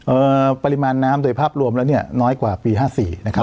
ปริมาณน้ำโดยภาพรวมแล้วเนี่ยน้อยกว่าปีห้าสี่นะครับ